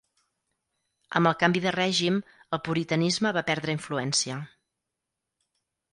Amb el canvi de règim, el puritanisme va perdre influència.